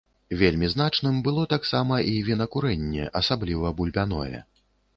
Вельмі значным было таксама і вінакурэнне, асабліва бульбяное.